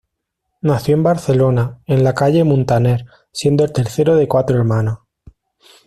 Nació en Barcelona en la calle Muntaner siendo el tercero de cuatro hermanos.